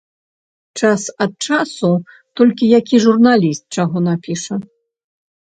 Час ад часу толькі які журналіст чаго напіша.